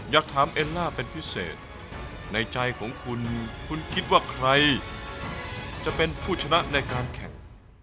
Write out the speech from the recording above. อยากถามเอ็นน่าเป็นพิเศษในใจของคุณคุณคิดว่าใครจะเป็นผู้ชนะในการแข่ง